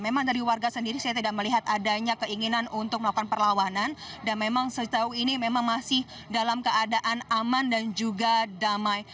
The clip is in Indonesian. memang dari warga sendiri saya tidak melihat adanya keinginan untuk melakukan perlawanan dan memang sejauh ini memang masih dalam keadaan aman dan juga damai